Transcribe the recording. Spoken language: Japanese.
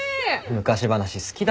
昔話好きだな。